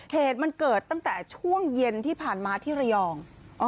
เหตุมันเกิดตั้งแต่ช่วงเย็นที่ผ่านมาที่ระยอง